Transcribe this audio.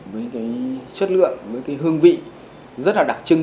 với chất lượng với hương vị rất là đặc trưng